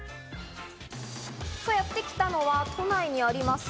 やってきたのは都内にあります